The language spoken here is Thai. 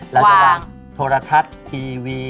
เราจะวางโทรทัศน์ทีวี